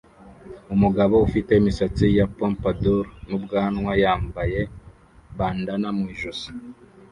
Umugabo ufite imisatsi ya pompadour n'ubwanwa yambaye bandanna mu ijosi